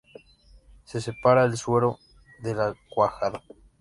Se separa el suero de la cuajada.